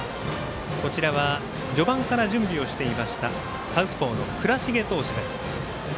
序盤から準備をしていましたサウスポーの倉重投手です。